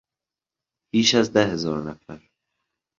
بیش از ده هزار نفر